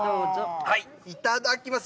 いただきます。